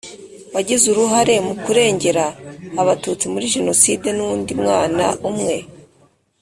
wagize uruhare mu kurengera Abatutsi muri Jenoside n undi mwana umwe